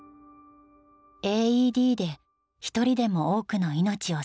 ＡＥＤで一人でも多くの命を救いたい。